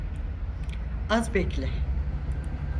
Az bekle.